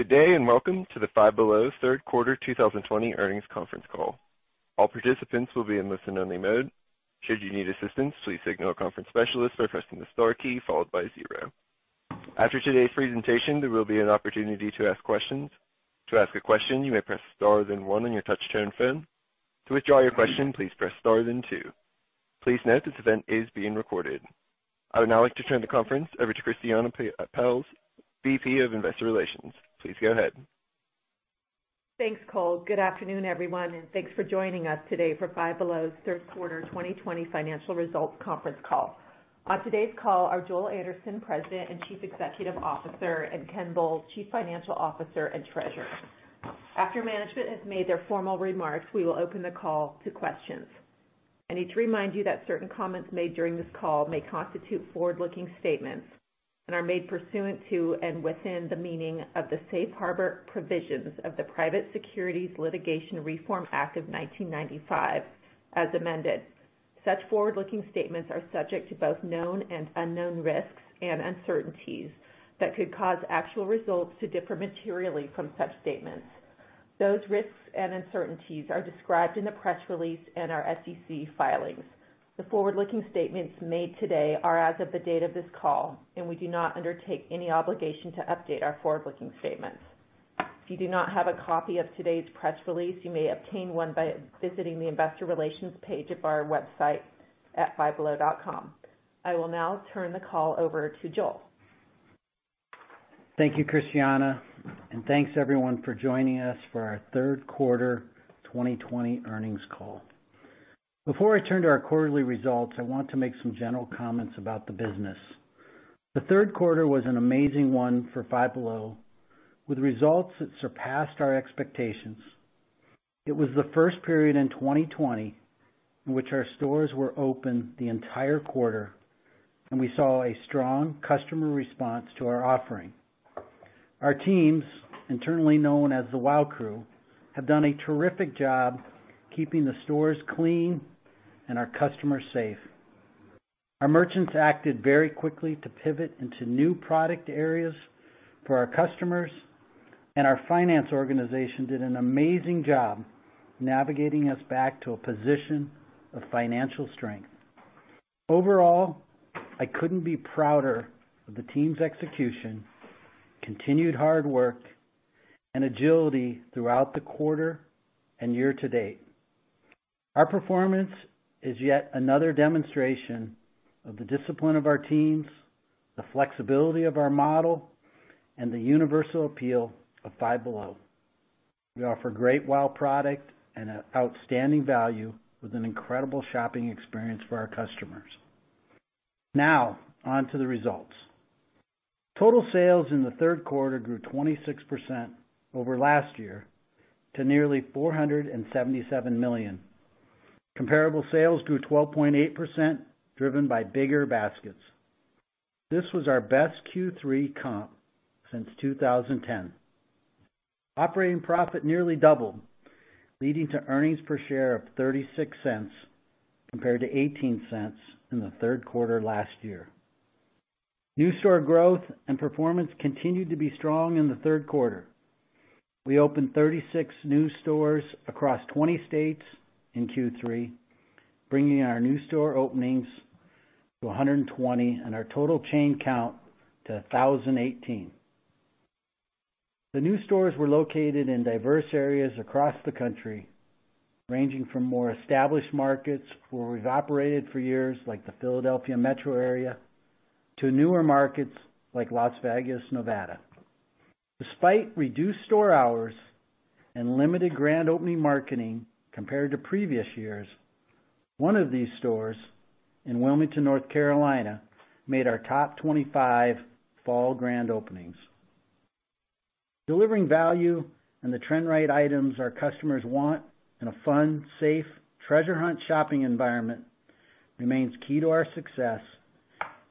Good day and welcome to the Five Below third quarter 2020 earnings conference call. All participants will be in listen-only mode. Should you need assistance, please signal a conference specialist by pressing the star key followed by zero. After today's presentation, there will be an opportunity to ask questions. To ask a question, you may press star then one on your touch-tone phone. To withdraw your question, please press star then two. Please note this event is being recorded. I would now like to turn the conference over to Christiane Pelz, VP of Investor Relations. Please go ahead. Thanks, Cole. Good afternoon, everyone, and thanks for joining us today for Five Below third quarter 2020 financial results conference call. On today's call are Joel Anderson, President and Chief Executive Officer, and Ken Bull, Chief Financial Officer and Treasurer. After management has made their formal remarks, we will open the call to questions. I need to remind you that certain comments made during this call may constitute forward-looking statements and are made pursuant to and within the meaning of the Safe Harbor provisions of the Private Securities Litigation Reform Act of 1995, as amended. Such forward-looking statements are subject to both known and unknown risks and uncertainties that could cause actual results to differ materially from such statements. Those risks and uncertainties are described in the press release and our SEC filings. The forward-looking statements made today are as of the date of this call, and we do not undertake any obligation to update our forward-looking statements. If you do not have a copy of today's press release, you may obtain one by visiting the Investor Relations page of our website at fivebelow.com. I will now turn the call over to Joel. Thank you, Christiane, and thanks, everyone, for joining us for our third quarter 2020 earnings call. Before I turn to our quarterly results, I want to make some general comments about the business. The third quarter was an amazing one for Five Below, with results that surpassed our expectations. It was the first period in 2020 in which our stores were open the entire quarter, and we saw a strong customer response to our offering. Our teams, internally known as the Wow Crew, have done a terrific job keeping the stores clean and our customers safe. Our merchants acted very quickly to pivot into new product areas for our customers, and our finance organization did an amazing job navigating us back to a position of financial strength. Overall, I couldn't be prouder of the team's execution, continued hard work, and agility throughout the quarter and year to date. Our performance is yet another demonstration of the discipline of our teams, the flexibility of our model, and the universal appeal of Five Below. We offer great wow product and outstanding value with an incredible shopping experience for our customers. Now, on to the results. Total sales in the third quarter grew 26% over last year to nearly $477 million. Comparable sales grew 12.8%, driven by bigger baskets. This was our best Q3 comp since 2010. Operating profit nearly doubled, leading to earnings per share of $0.36 compared to $0.18 in the third quarter last year. New store growth and performance continued to be strong in the third quarter. We opened 36 new stores across 20 states in Q3, bringing our new store openings to 120 and our total chain count to 1,018. The new stores were located in diverse areas across the country, ranging from more established markets where we've operated for years, like the Philadelphia metro area, to newer markets like Las Vegas, Nevada. Despite reduced store hours and limited grand opening marketing compared to previous years, one of these stores in Wilmington, North Carolina, made our top 25 fall grand openings. Delivering value and the trend right items our customers want in a fun, safe, treasure hunt shopping environment remains key to our success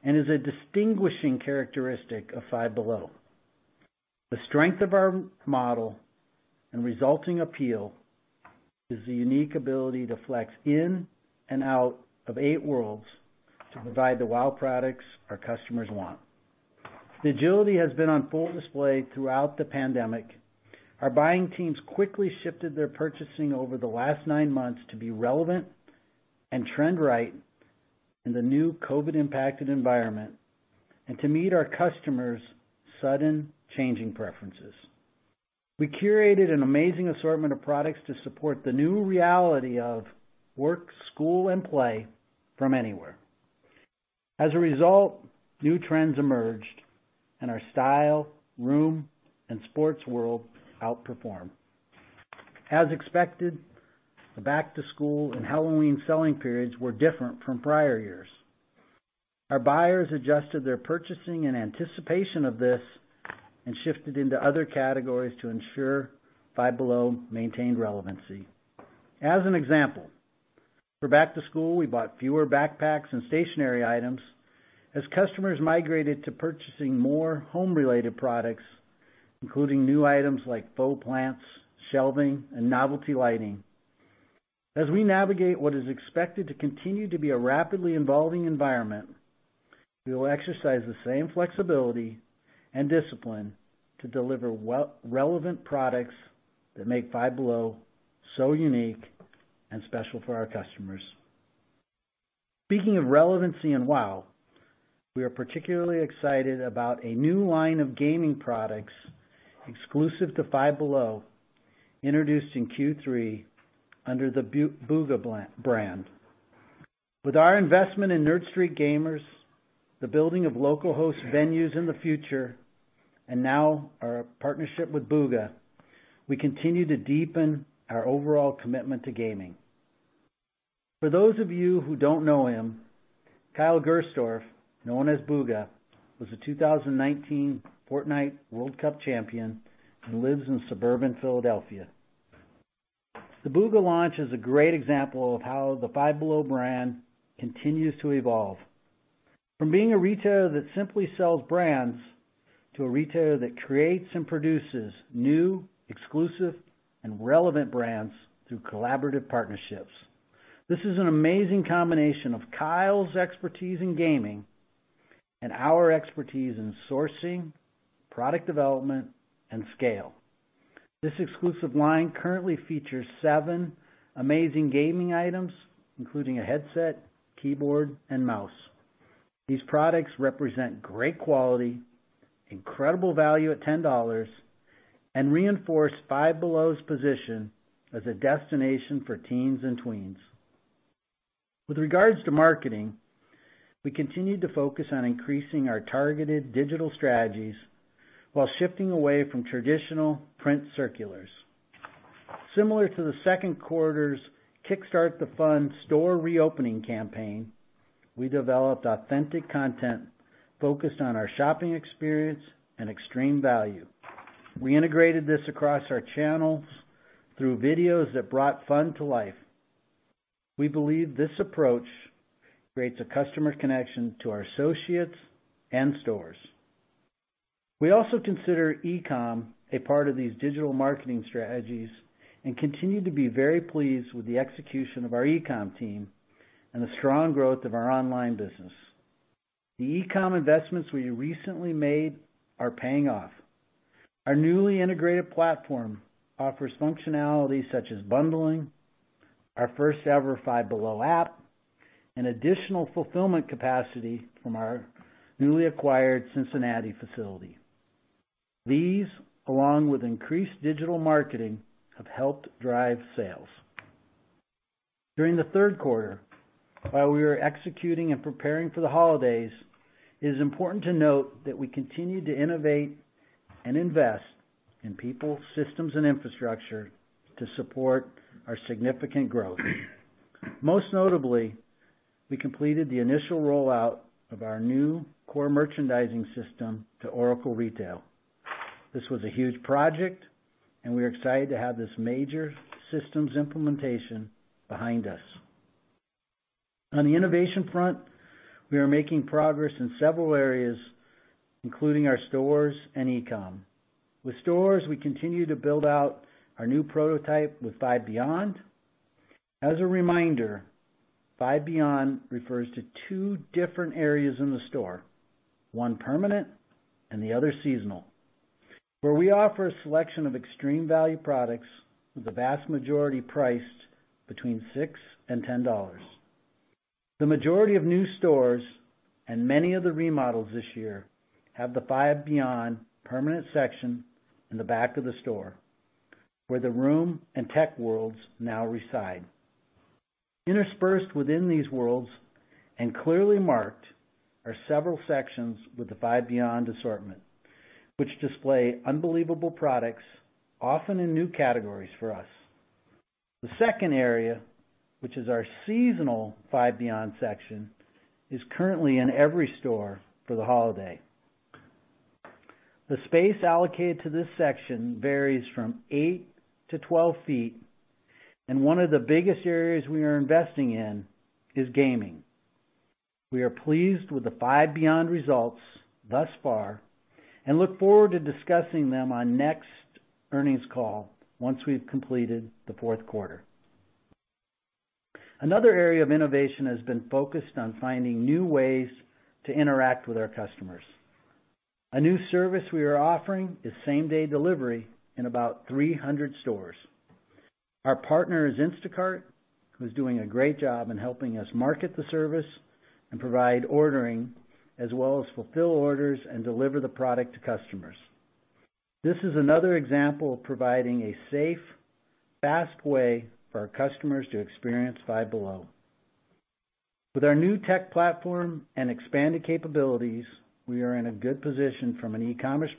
and is a distinguishing characteristic of Five Below. The strength of our model and resulting appeal is the unique ability to flex in and out of eight worlds to provide the wow products our customers want. Agility has been on full display throughout the pandemic. Our buying teams quickly shifted their purchasing over the last nine months to be relevant and trend right in the new COVID-impacted environment and to meet our customers' sudden changing preferences. We curated an amazing assortment of products to support the new reality of work, school, and play from anywhere. As a result, new trends emerged, and our style, room, and sports world outperformed. As expected, the back-to-school and Halloween selling periods were different from prior years. Our buyers adjusted their purchasing in anticipation of this and shifted into other categories to ensure Five Below maintained relevancy. As an example, for back-to-school, we bought fewer backpacks and stationery items as customers migrated to purchasing more home-related products, including new items like faux plants, shelving, and novelty lighting. As we navigate what is expected to continue to be a rapidly evolving environment, we will exercise the same flexibility and discipline to deliver relevant products that make Five Below so unique and special for our customers. Speaking of relevancy and wow, we are particularly excited about a new line of gaming products exclusive to Five Below introduced in Q3 under the Buga brand. With our investment in Nerd Street Gamers, the building of local host venues in the future, and now our partnership with Buga, we continue to deepen our overall commitment to gaming. For those of you who do not know him, Kyle Gerstdorf, known as Buga, was a 2019 Fortnite World Cup champion and lives in suburban Philadelphia. The Buga launch is a great example of how the Five Below brand continues to evolve, from being a retailer that simply sells brands to a retailer that creates and produces new, exclusive, and relevant brands through collaborative partnerships. This is an amazing combination of Kyle's expertise in gaming and our expertise in sourcing, product development, and scale. This exclusive line currently features seven amazing gaming items, including a headset, keyboard, and mouse. These products represent great quality, incredible value at $10, and reinforce Five Below's position as a destination for teens and tweens. With regards to marketing, we continue to focus on increasing our targeted digital strategies while shifting away from traditional print circulars. Similar to the second quarter's Kickstart the Fun store reopening campaign, we developed authentic content focused on our shopping experience and extreme value. We integrated this across our channels through videos that brought fun to life. We believe this approach creates a customer connection to our associates and stores. We also consider e-com a part of these digital marketing strategies and continue to be very pleased with the execution of our e-com team and the strong growth of our online business. The e-com investments we recently made are paying off. Our newly integrated platform offers functionalities such as bundling, our first-ever Five Below app, and additional fulfillment capacity from our newly acquired Cincinnati facility. These, along with increased digital marketing, have helped drive sales. During the third quarter, while we were executing and preparing for the holidays, it is important to note that we continue to innovate and invest in people, systems, and infrastructure to support our significant growth. Most notably, we completed the initial rollout of our new core merchandising system to Oracle Retail. This was a huge project, and we are excited to have this major systems implementation behind us. On the innovation front, we are making progress in several areas, including our stores and e-com. With stores, we continue to build out our new prototype with Five Beyond. As a reminder, Five Beyond refers to two different areas in the store, one permanent and the other seasonal, where we offer a selection of extreme value products with the vast majority priced between $6 and $10. The majority of new stores and many of the remodels this year have the Five Beyond permanent section in the back of the store, where the room and tech worlds now reside. Interspersed within these worlds and clearly marked are several sections with the Five Beyond assortment, which display unbelievable products, often in new categories for us. The second area, which is our seasonal Five Beyond section, is currently in every store for the holiday. The space allocated to this section varies from 8-12 feet, and one of the biggest areas we are investing in is gaming. We are pleased with the Five Beyond results thus far and look forward to discussing them on next earnings call once we've completed the fourth quarter. Another area of innovation has been focused on finding new ways to interact with our customers. A new service we are offering is same-day delivery in about 300 stores. Our partner is Instacart, who is doing a great job in helping us market the service and provide ordering, as well as fulfill orders and deliver the product to customers. This is another example of providing a safe, fast way for our customers to experience Five Below. With our new tech platform and expanded capabilities, we are in a good position from an e-commerce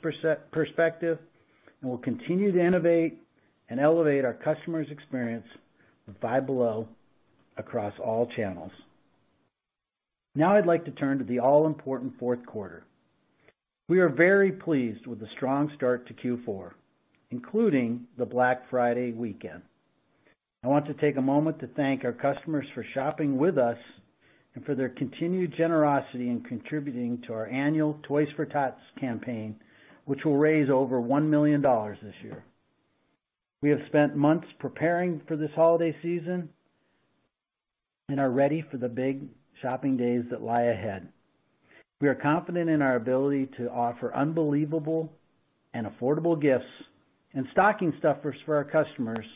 perspective and will continue to innovate and elevate our customers' experience with Five Below across all channels. Now, I'd like to turn to the all-important fourth quarter. We are very pleased with the strong start to Q4, including the Black Friday weekend. I want to take a moment to thank our customers for shopping with us and for their continued generosity in contributing to our annual Toys for Tots campaign, which will raise over $1 million this year. We have spent months preparing for this holiday season and are ready for the big shopping days that lie ahead. We are confident in our ability to offer unbelievable and affordable gifts and stocking stuffers for our customers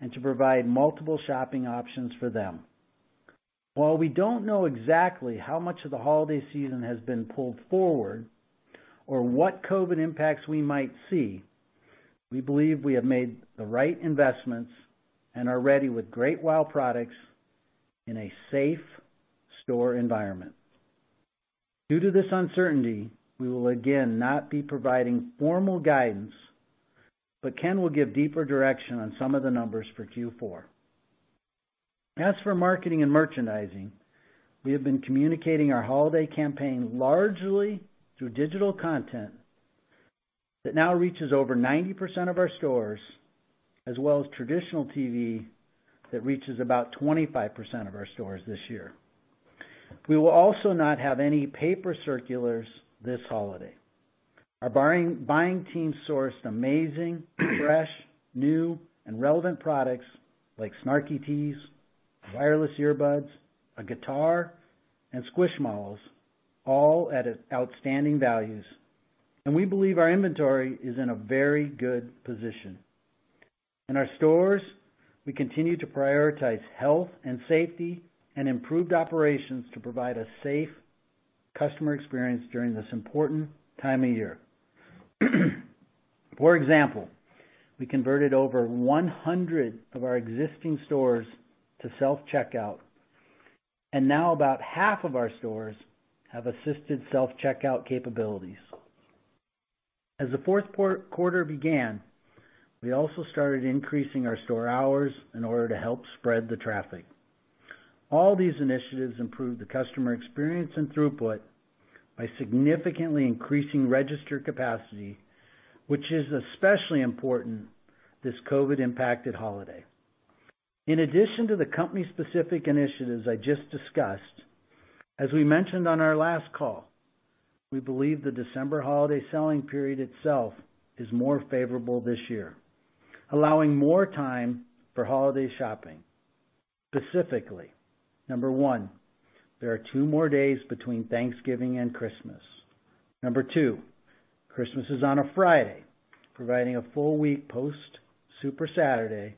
and to provide multiple shopping options for them. While we do not know exactly how much of the holiday season has been pulled forward or what COVID impacts we might see, we believe we have made the right investments and are ready with great wow products in a safe store environment. Due to this uncertainty, we will again not be providing formal guidance, but Ken will give deeper direction on some of the numbers for Q4. As for marketing and merchandising, we have been communicating our holiday campaign largely through digital content that now reaches over 90% of our stores, as well as traditional TV that reaches about 25% of our stores this year. We will also not have any paper circulars this holiday. Our buying team sourced amazing, fresh, new, and relevant products like Snarky Tees, wireless earbuds, a guitar, and Squish Malls, all at outstanding values, and we believe our inventory is in a very good position. In our stores, we continue to prioritize health and safety and improved operations to provide a safe customer experience during this important time of year. For example, we converted over 100 of our existing stores to self-checkout, and now about half of our stores have assisted self-checkout capabilities. As the fourth quarter began, we also started increasing our store hours in order to help spread the traffic. All these initiatives improved the customer experience and throughput by significantly increasing register capacity, which is especially important this COVID-impacted holiday. In addition to the company-specific initiatives I just discussed, as we mentioned on our last call, we believe the December holiday selling period itself is more favorable this year, allowing more time for holiday shopping. Specifically, number one, there are two more days between Thanksgiving and Christmas. Number two, Christmas is on a Friday, providing a full week post-Super Saturday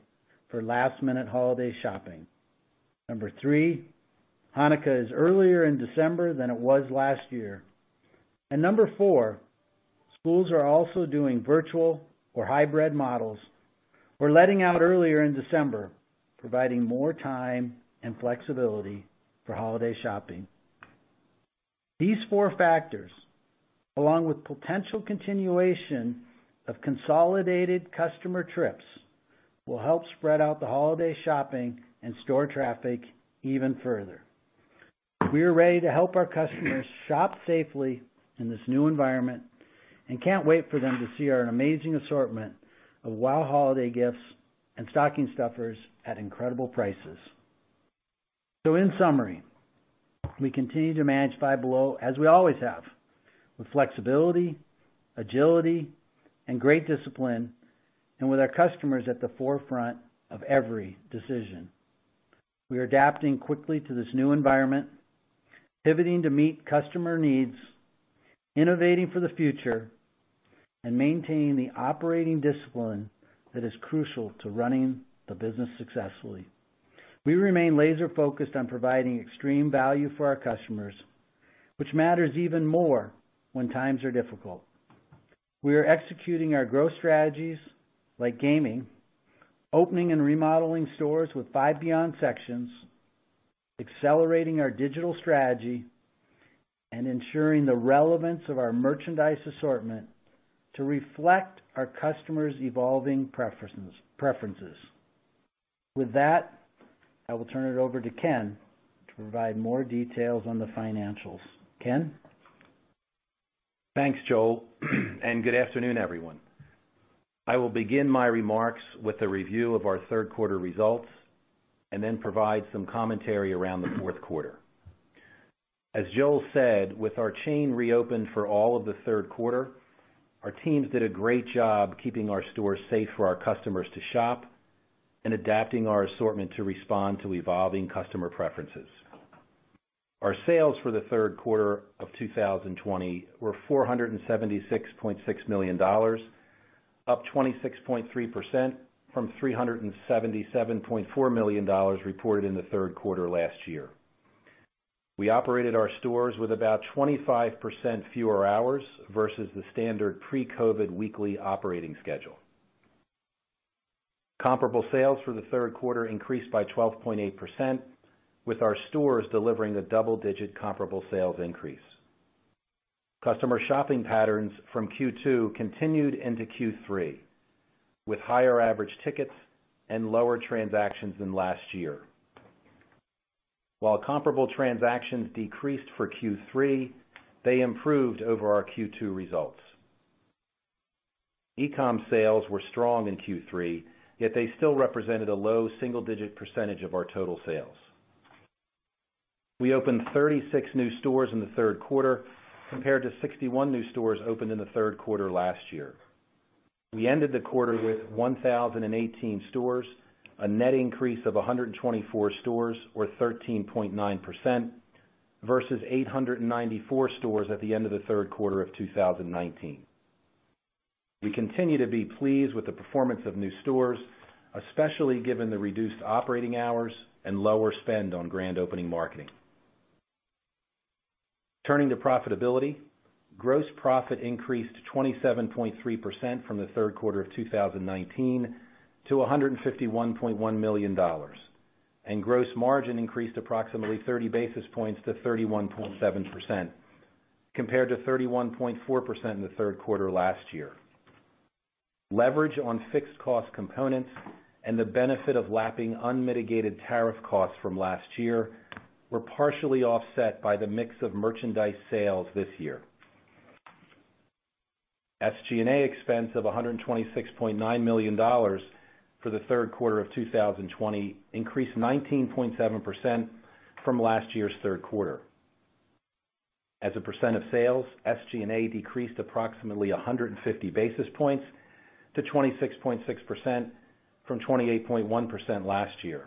for last-minute holiday shopping. Number three, Hanukkah is earlier in December than it was last year. Number four, schools are also doing virtual or hybrid models. We're letting out earlier in December, providing more time and flexibility for holiday shopping. These four factors, along with potential continuation of consolidated customer trips, will help spread out the holiday shopping and store traffic even further. We are ready to help our customers shop safely in this new environment and can't wait for them to see our amazing assortment of wow holiday gifts and stocking stuffers at incredible prices. In summary, we continue to manage Five Below as we always have, with flexibility, agility, and great discipline, and with our customers at the forefront of every decision. We are adapting quickly to this new environment, pivoting to meet customer needs, innovating for the future, and maintaining the operating discipline that is crucial to running the business successfully. We remain laser-focused on providing extreme value for our customers, which matters even more when times are difficult. We are executing our growth strategies like gaming, opening and remodeling stores with Five Beyond sections, accelerating our digital strategy, and ensuring the relevance of our merchandise assortment to reflect our customers' evolving preferences. With that, I will turn it over to Ken to provide more details on the financials. Ken? Thanks, Joel, and good afternoon, everyone. I will begin my remarks with a review of our third quarter results and then provide some commentary around the fourth quarter. As Joel said, with our chain reopened for all of the third quarter, our teams did a great job keeping our stores safe for our customers to shop and adapting our assortment to respond to evolving customer preferences. Our sales for the third quarter of 2020 were $476.6 million, up 26.3% from $377.4 million reported in the third quarter last year. We operated our stores with about 25% fewer hours versus the standard pre-COVID weekly operating schedule. Comparable sales for the third quarter increased by 12.8%, with our stores delivering a double-digit comparable sales increase. Customer shopping patterns from Q2 continued into Q3, with higher average tickets and lower transactions than last year. While comparable transactions decreased for Q3, they improved over our Q2 results. E-com sales were strong in Q3, yet they still represented a low single-digit percentage of our total sales. We opened 36 new stores in the third quarter, compared to 61 new stores opened in the third quarter last year. We ended the quarter with 1,018 stores, a net increase of 124 stores, or 13.9%, versus 894 stores at the end of the third quarter of 2019. We continue to be pleased with the performance of new stores, especially given the reduced operating hours and lower spend on grand opening marketing. Turning to profitability, gross profit increased 27.3% from the third quarter of 2019 to $151.1 million, and gross margin increased approximately 30 basis points to 31.7%, compared to 31.4% in the third quarter last year. Leverage on fixed cost components and the benefit of lapping unmitigated tariff costs from last year were partially offset by the mix of merchandise sales this year. SG&A expense of $126.9 million for the third quarter of 2020 increased 19.7% from last year's third quarter. As a percent of sales, SG&A decreased approximately 150 basis points to 26.6% from 28.1% last year.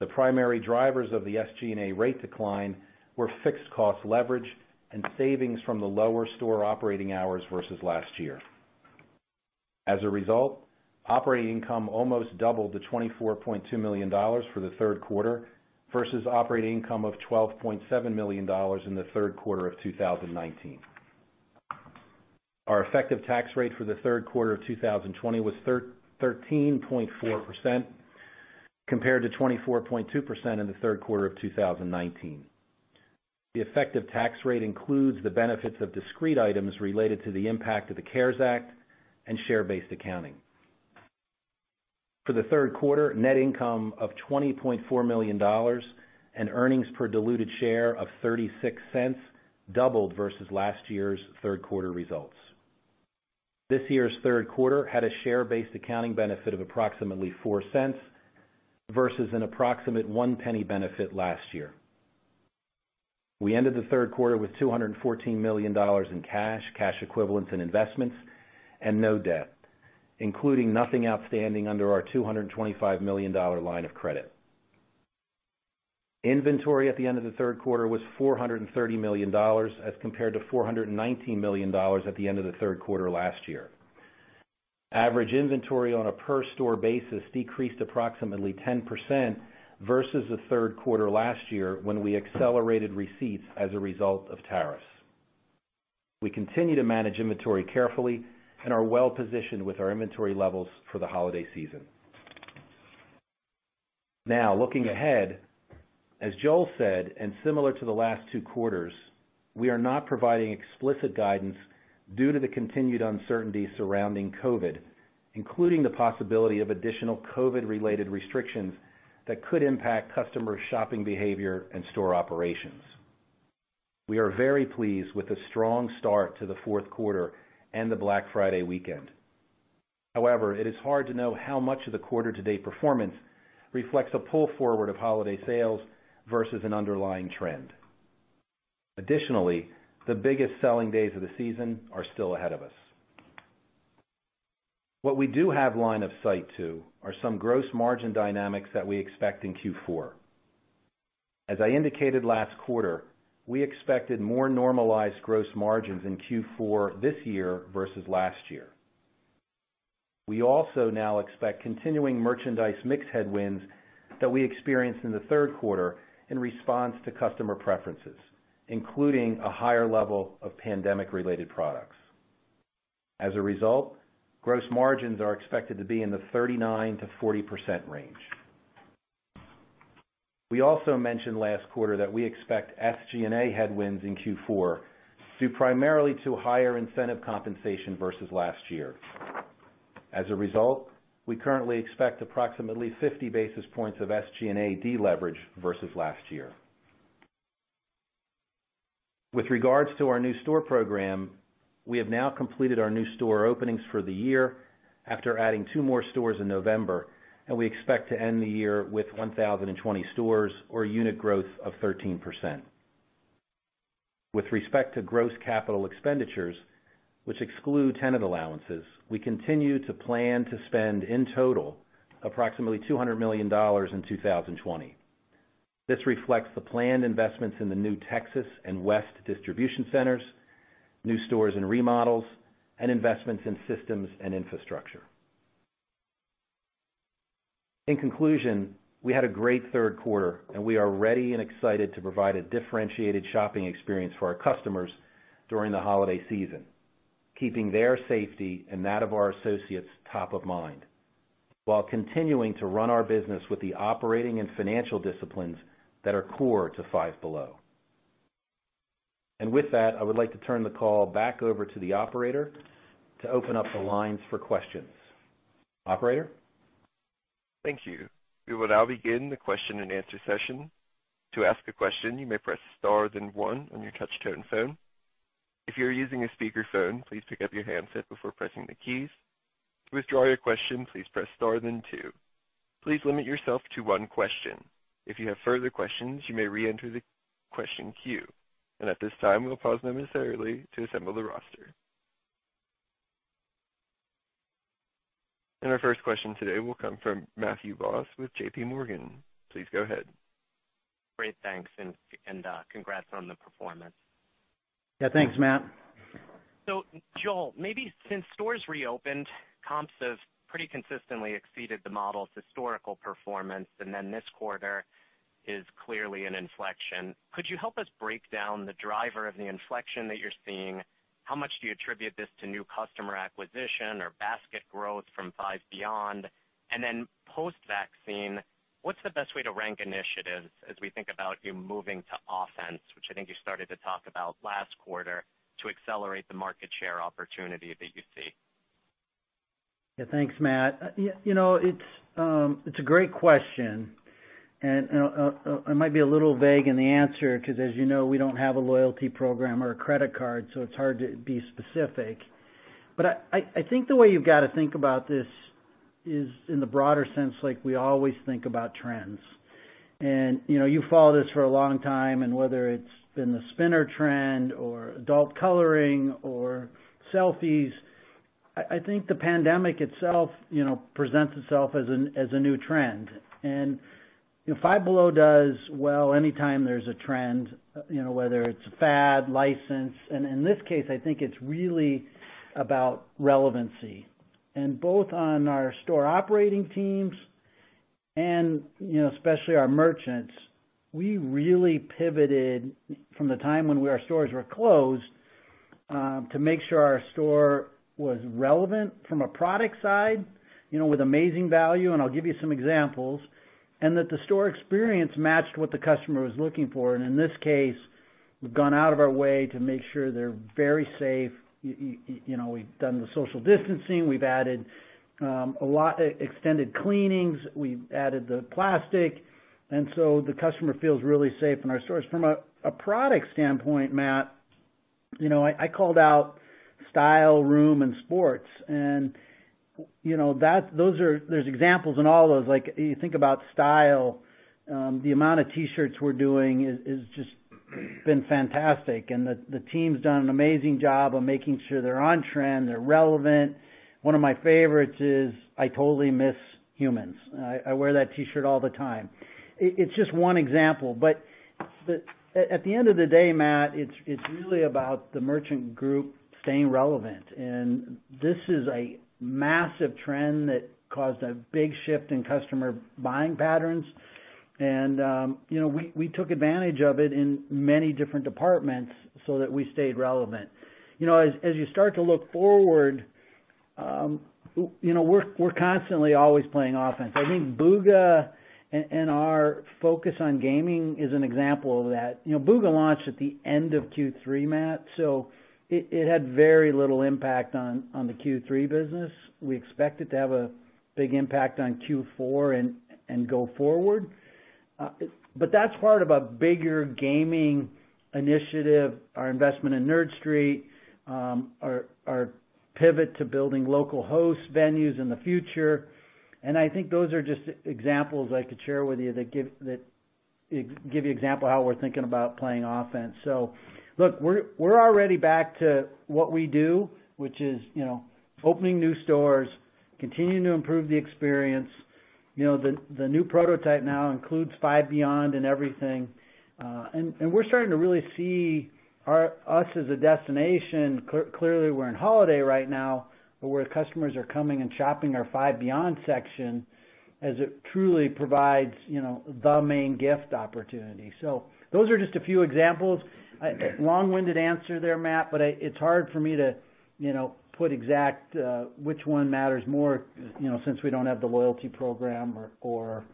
The primary drivers of the SG&A rate decline were fixed cost leverage and savings from the lower store operating hours versus last year. As a result, operating income almost doubled to $24.2 million for the third quarter versus operating income of $12.7 million in the third quarter of 2019. Our effective tax rate for the third quarter of 2020 was 13.4%, compared to 24.2% in the third quarter of 2019. The effective tax rate includes the benefits of discrete items related to the impact of the CARES Act and share-based accounting. For the third quarter, net income of $20.4 million and earnings per diluted share of 36 cents doubled versus last year's third quarter results. This year's third quarter had a share-based accounting benefit of approximately 4 cents versus an approximate 1 penny benefit last year. We ended the third quarter with $214 million in cash, cash equivalents, and investments, and no debt, including nothing outstanding under our $225 million line of credit. Inventory at the end of the third quarter was $430 million as compared to $419 million at the end of the third quarter last year. Average inventory on a per-store basis decreased approximately 10% versus the third quarter last year when we accelerated receipts as a result of tariffs. We continue to manage inventory carefully and are well-positioned with our inventory levels for the holiday season. Now, looking ahead, as Joel said, and similar to the last two quarters, we are not providing explicit guidance due to the continued uncertainty surrounding COVID, including the possibility of additional COVID-related restrictions that could impact customer shopping behavior and store operations. We are very pleased with the strong start to the fourth quarter and the Black Friday weekend. However, it is hard to know how much of the quarter-to-date performance reflects a pull forward of holiday sales versus an underlying trend. Additionally, the biggest selling days of the season are still ahead of us. What we do have line of sight to are some gross margin dynamics that we expect in Q4. As I indicated last quarter, we expected more normalized gross margins in Q4 this year versus last year. We also now expect continuing merchandise mix headwinds that we experienced in the third quarter in response to customer preferences, including a higher level of pandemic-related products. As a result, gross margins are expected to be in the 39-40% range. We also mentioned last quarter that we expect SG&A headwinds in Q4 due primarily to higher incentive compensation versus last year. As a result, we currently expect approximately 50 basis points of SG&A deleverage versus last year. With regards to our new store program, we have now completed our new store openings for the year after adding two more stores in November, and we expect to end the year with 1,020 stores or unit growth of 13%. With respect to gross capital expenditures, which exclude tenant allowances, we continue to plan to spend in total approximately $200 million in 2020. This reflects the planned investments in the new Texas and West distribution centers, new stores and remodels, and investments in systems and infrastructure. In conclusion, we had a great third quarter, and we are ready and excited to provide a differentiated shopping experience for our customers during the holiday season, keeping their safety and that of our associates top of mind while continuing to run our business with the operating and financial disciplines that are core to Five Below. I would like to turn the call back over to the operator to open up the lines for questions. Operator? Thank you. We will now begin the question and answer session. To ask a question, you may press star then one on your touch-tone phone. If you're using a speakerphone, please pick up your handset before pressing the keys. To withdraw your question, please press star then two. Please limit yourself to one question. If you have further questions, you may re-enter the question queue. At this time, we'll pause momentarily to assemble the roster. Our first question today will come from Matthew Robert Boss with JPMorgan Chase & Co. Please go ahead. Great. Thanks. Congrats on the performance. Yeah, thanks, Matt. Joel, maybe since stores reopened, comps have pretty consistently exceeded the model's historical performance, and then this quarter is clearly an inflection. Could you help us break down the driver of the inflection that you're seeing? How much do you attribute this to new customer acquisition or basket growth from Five Beyond? And then post-vaccine, what's the best way to rank initiatives as we think about you moving to offense, which I think you started to talk about last quarter to accelerate the market share opportunity that you see? Yeah, thanks, Matt. It's a great question. I might be a little vague in the answer because, as you know, we don't have a loyalty program or a credit card, so it's hard to be specific. I think the way you've got to think about this is in the broader sense, like we always think about trends. You follow this for a long time, and whether it's been the spinner trend or adult coloring or selfies, I think the pandemic itself presents itself as a new trend. Five Below does well anytime there's a trend, whether it's a fad, license. In this case, I think it's really about relevancy. Both on our store operating teams and especially our merchants, we really pivoted from the time when our stores were closed to make sure our store was relevant from a product side with amazing value, and I'll give you some examples, and that the store experience matched what the customer was looking for. In this case, we've gone out of our way to make sure they're very safe. We've done the social distancing. We've added a lot of extended cleanings. We've added the plastic. The customer feels really safe in our stores. From a product standpoint, Matt, I called out style, room, and sports. There are examples in all those. You think about style, the amount of T-shirts we're doing has just been fantastic. The team's done an amazing job of making sure they're on trend, they're relevant. One of my favorites is, "I totally miss humans." I wear that T-shirt all the time. It's just one example. At the end of the day, Matt, it's really about the merchant group staying relevant. This is a massive trend that caused a big shift in customer buying patterns. We took advantage of it in many different departments so that we stayed relevant. As you start to look forward, we're constantly always playing offense. I think Buga and our focus on gaming is an example of that. Buga launched at the end of Q3, Matt, so it had very little impact on the Q3 business. We expect it to have a big impact on Q4 and go forward. That's part of a bigger gaming initiative, our investment in Nerd Street, our pivot to building local host venues in the future. I think those are just examples I could share with you that give you an example of how we're thinking about playing offense. Look, we're already back to what we do, which is opening new stores, continuing to improve the experience. The new prototype now includes Five Beyond and everything. We're starting to really see us as a destination. Clearly, we're in holiday right now, where customers are coming and shopping our Five Beyond section as it truly provides the main gift opportunity. Those are just a few examples. Long-winded answer there, Matt, but it's hard for me to put exact which one matters more since we don't have the loyalty program or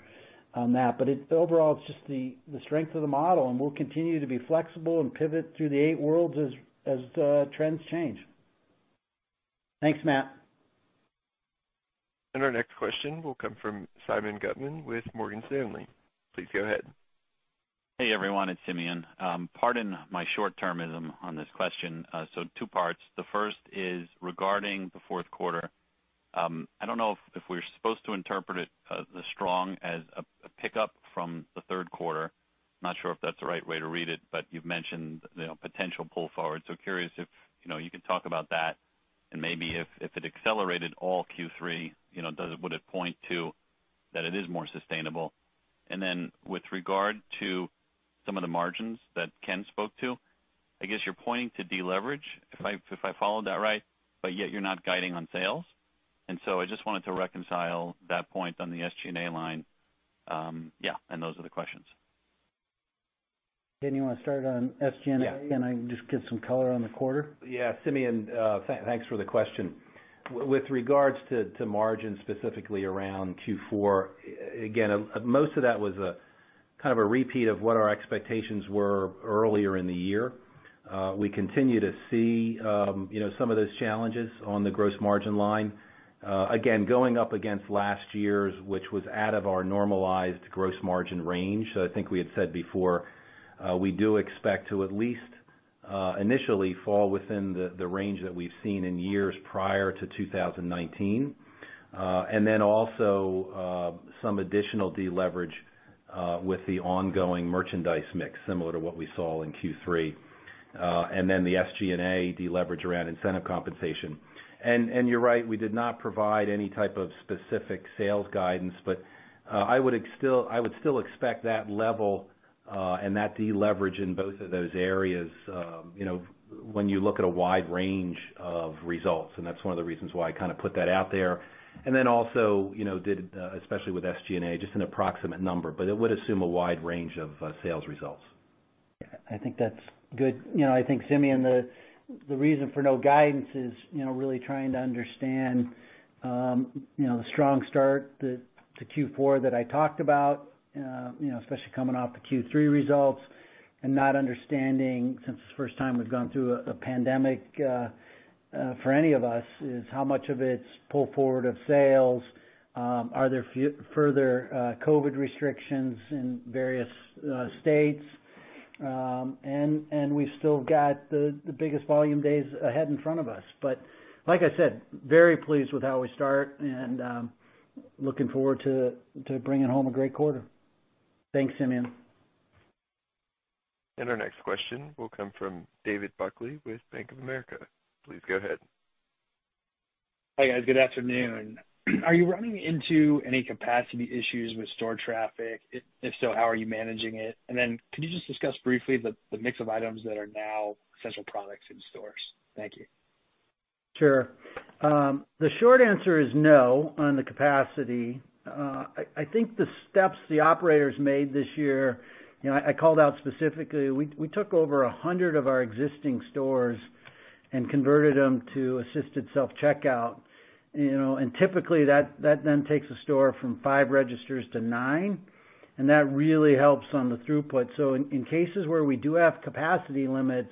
that. Overall, it's just the strength of the model, and we'll continue to be flexible and pivot through the eight worlds as trends change. Thanks, Matt. Our next question will come from Simeon Gutman with Morgan Stanley. Please go ahead. Hey, everyone. It's Simeon. Pardon my short-termism on this question. Two parts. The first is regarding the fourth quarter. I do not know if we are supposed to interpret it as strong as a pickup from the third quarter. I am not sure if that is the right way to read it, but you have mentioned potential pull forward. Curious if you could talk about that. Maybe if it accelerated all Q3, would it point to that it is more sustainable? With regard to some of the margins that Ken spoke to, I guess you are pointing to deleverage, if I followed that right, but yet you are not guiding on sales. I just wanted to reconcile that point on the SG&A line. Yeah, those are the questions. Didn't you want to start on SG&A and just get some color on the quarter? Yeah. Simeon, thanks for the question. With regards to margins specifically around Q4, again, most of that was kind of a repeat of what our expectations were earlier in the year. We continue to see some of those challenges on the gross margin line. Again, going up against last year's, which was out of our normalized gross margin range. I think we had said before, we do expect to at least initially fall within the range that we've seen in years prior to 2019. Also, some additional deleverage with the ongoing merchandise mix, similar to what we saw in Q3. The SG&A deleverage around incentive compensation. You're right, we did not provide any type of specific sales guidance, but I would still expect that level and that deleverage in both of those areas when you look at a wide range of results. That is one of the reasons why I kind of put that out there. Also, especially with SG&A, just an approximate number, but it would assume a wide range of sales results. Yeah, I think that's good. I think, Simeon, the reason for no guidance is really trying to understand the strong start to Q4 that I talked about, especially coming off the Q3 results, and not understanding, since it's the first time we've gone through a pandemic for any of us, is how much of it's pull forward of sales, are there further COVID restrictions in various states. We have still got the biggest volume days ahead in front of us. Like I said, very pleased with how we start and looking forward to bringing home a great quarter. Thanks, Simeon. Our next question will come from David Buckley with Bank of America. Please go ahead. Hi guys. Good afternoon. Are you running into any capacity issues with store traffic? If so, how are you managing it? Could you just discuss briefly the mix of items that are now essential products in stores? Thank you. Sure. The short answer is no on the capacity. I think the steps the operators made this year, I called out specifically, we took over 100 of our existing stores and converted them to assisted self-checkout. Typically, that then takes a store from five registers to nine. That really helps on the throughput. In cases where we do have capacity limits,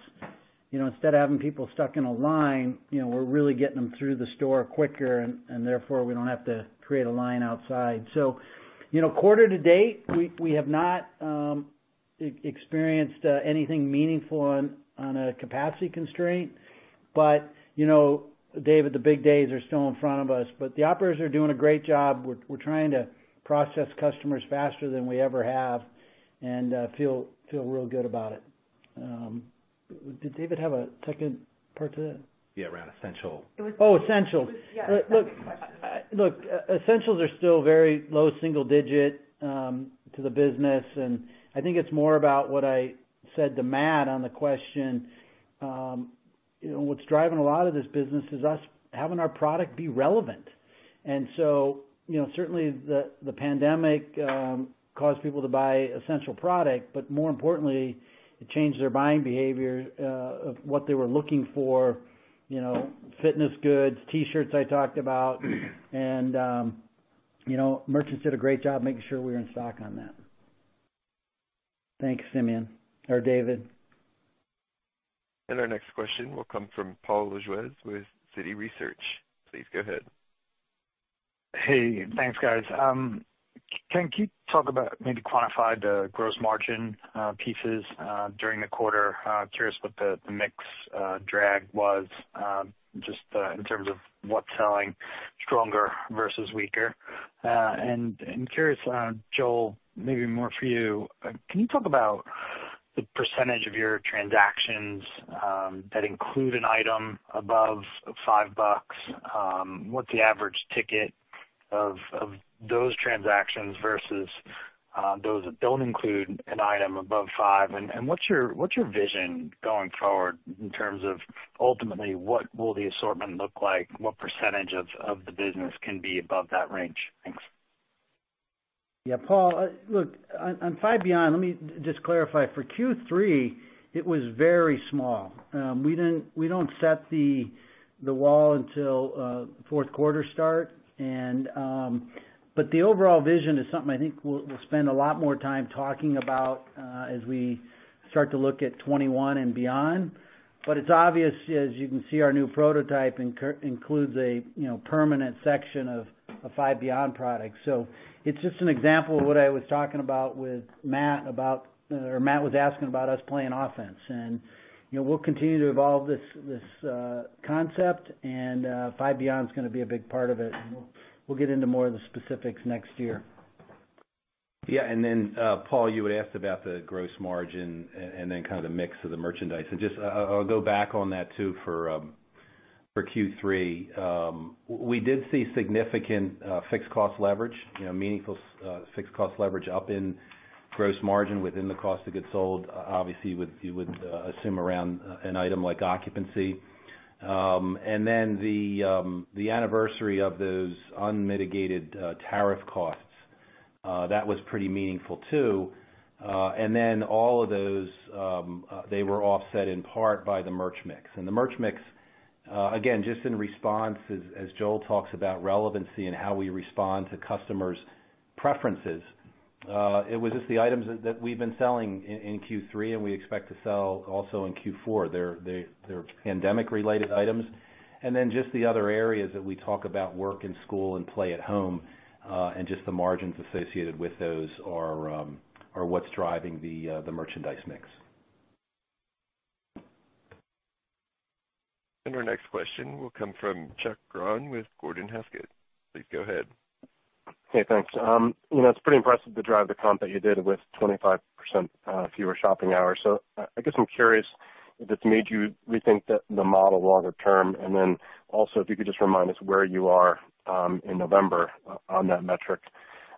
instead of having people stuck in a line, we are really getting them through the store quicker, and therefore we do not have to create a line outside. Quarter to date, we have not experienced anything meaningful on a capacity constraint. David, the big days are still in front of us. The operators are doing a great job. We are trying to process customers faster than we ever have and feel real good about it. Did David have a second part to that? Yeah, around essential. Oh, essential. Look, essentials are still very low single digit to the business. I think it's more about what I said to Matt on the question. What's driving a lot of this business is us having our product be relevant. Certainly the pandemic caused people to buy essential product, but more importantly, it changed their buying behavior of what they were looking for, fitness goods, T-shirts I talked about. Merchants did a great job making sure we were in stock on that. Thanks, Simeon or David. Our next question will come from Paul Lejuez with Citi Research. Please go ahead. Hey, thanks, guys. Can you talk about maybe quantify the gross margin pieces during the quarter? Curious what the mix drag was just in terms of what's selling stronger versus weaker. Curious, Joel, maybe more for you, can you talk about the percentage of your transactions that include an item above five bucks? What's the average ticket of those transactions versus those that don't include an item above five? What's your vision going forward in terms of ultimately what will the assortment look like? What percentage of the business can be above that range? Thanks. Yeah, Paul, look, on Five Beyond, let me just clarify. For Q3, it was very small. We do not set the wall until the fourth quarter start. The overall vision is something I think we will spend a lot more time talking about as we start to look at 2021 and beyond. It is obvious, as you can see, our new prototype includes a permanent section of Five Beyond products. It is just an example of what I was talking about with Matt about, or Matt was asking about us playing offense. We will continue to evolve this concept, and Five Beyond is going to be a big part of it. We will get into more of the specifics next year. Yeah. Paul, you had asked about the gross margin and then kind of the mix of the merchandise. I will go back on that too for Q3. We did see significant fixed cost leverage, meaningful fixed cost leverage up in gross margin within the cost of goods sold. Obviously, you would assume around an item like occupancy. The anniversary of those unmitigated tariff costs, that was pretty meaningful too. All of those were offset in part by the merch mix. The merch mix, again, just in response, as Joel talks about relevancy and how we respond to customers' preferences, it was just the items that we have been selling in Q3, and we expect to sell also in Q4. They are pandemic-related items. Just the other areas that we talk about, work and school and play at home, and just the margins associated with those are what's driving the merchandise mix. Our next question will come from Charles P. Grom with Gordon Haskett. Please go ahead. Hey, thanks. It's pretty impressive to drive the comp that you did with 25% fewer shopping hours. I guess I'm curious if it's made you rethink the model longer term. If you could just remind us where you are in November on that metric.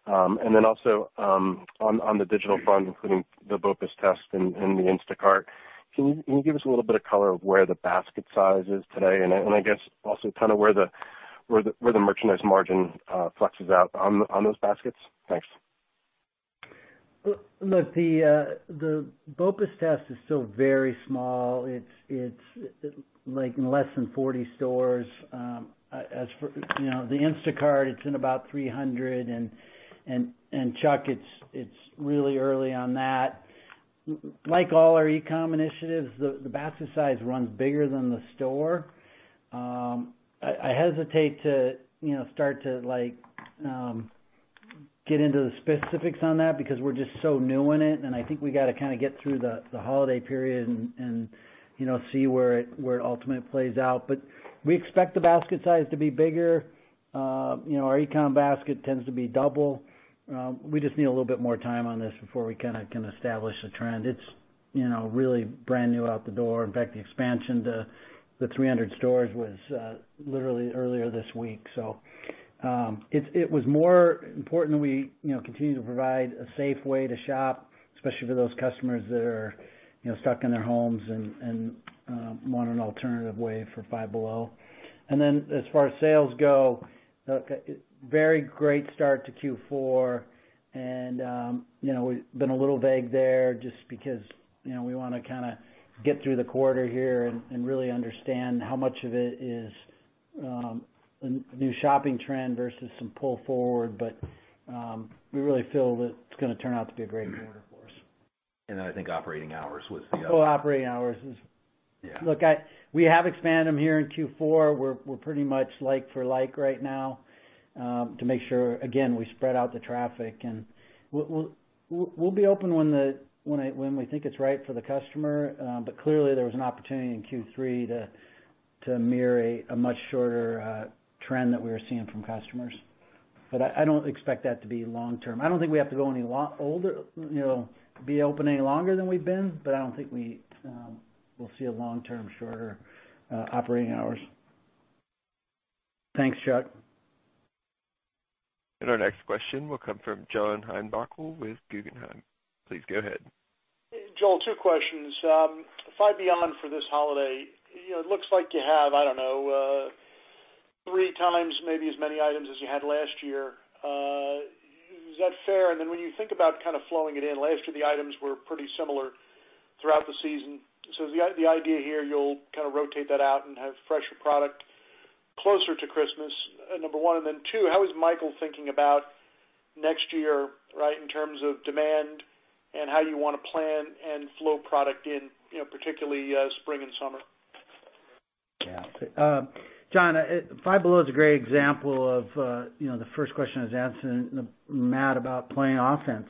Also, on the digital fund, including the BOPUS test and the Instacart, can you give us a little bit of color of where the basket size is today? I guess also kind of where the merchandise margin flexes out on those baskets? Thanks. Look, the BOPUS test is still very small. It's in less than 40 stores. As for the Instacart, it's in about 300. Chuck, it's really early on that. Like all our e-comm initiatives, the basket size runs bigger than the store. I hesitate to start to get into the specifics on that because we're just so new in it. I think we got to kind of get through the holiday period and see where it ultimately plays out. We expect the basket size to be bigger. Our e-comm basket tends to be double. We just need a little bit more time on this before we kind of can establish a trend. It's really brand new out the door. In fact, the expansion to the 300 stores was literally earlier this week. It was more important that we continue to provide a safe way to shop, especially for those customers that are stuck in their homes and want an alternative way for Five Below. As far as sales go, very great start to Q4. We have been a little vague there just because we want to kind of get through the quarter here and really understand how much of it is a new shopping trend versus some pull forward. We really feel that it is going to turn out to be a great quarter for us. I think operating hours was the other. Oh, operating hours. Look, we have expanded them here in Q4. We're pretty much like for like right now to make sure, again, we spread out the traffic. We'll be open when we think it's right for the customer. Clearly, there was an opportunity in Q3 to mirror a much shorter trend that we were seeing from customers. I don't expect that to be long-term. I don't think we have to go any older, be open any longer than we've been, but I don't think we will see a long-term shorter operating hours. Thanks, Chuck. Our next question will come from John Edward Heinbockel with Guggenheim. Please go ahead. Joel, two questions. Five Beyond for this holiday, it looks like you have, I don't know, three times maybe as many items as you had last year. Is that fair? Then when you think about kind of flowing it in, last year, the items were pretty similar throughout the season. The idea here, you'll kind of rotate that out and have fresher product closer to Christmas, number one. Two, how is Michael thinking about next year, right, in terms of demand and how you want to plan and flow product in, particularly spring and summer? Yeah. John, Five Below is a great example of the first question I was asking Matt about playing offense.